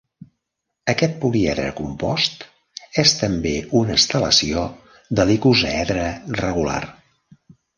Aquest políedre compost és també una estelació de l'icosaedre regular.